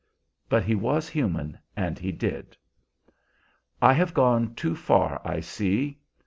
But he was human, and he did. "I have gone too far, I see.